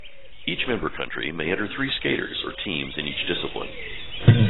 Each member country may enter three skaters or teams in each discipline.